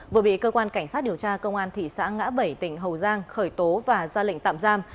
vừa bị cơ quan cảnh sát điều tra công an thị xã ngã bảy tỉnh hậu giang khởi tố và ra lệnh tạm giam